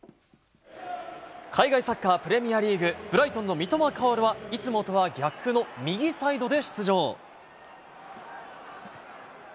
海外サッカー、プレミアリーグ・ブライトンの三笘薫は、いつもとは逆の右サイドで出場。